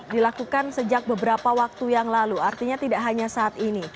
dilakukan sejak beberapa waktu yang lalu artinya tidak hanya saat ini